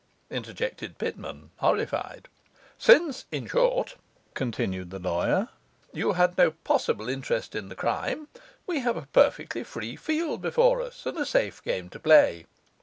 interjected Pitman, horrified. 'Since, in short,' continued the lawyer, 'you had no possible interest in the crime, we have a perfectly free field before us and a safe game to play.